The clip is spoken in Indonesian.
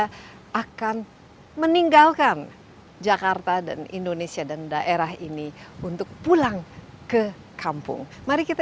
kita akan meninggalkan jakarta dan indonesia dan daerah ini untuk pulang ke kampung mari kita